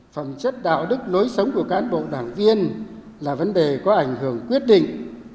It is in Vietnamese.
phẩm chất đạo đức lối sống của cán bộ đảng viên là vấn đề có ảnh hưởng quyết định